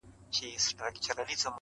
د بوډا مخي ته دي ناست څو ماشومان د کلي؛